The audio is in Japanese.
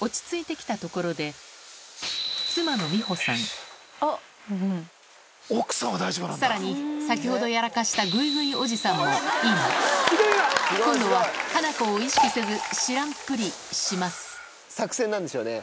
落ち着いて来たところでさらに先ほどやらかした今度はハナコを意識せず知らんぷりします作戦なんでしょうね。